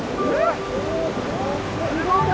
すごい！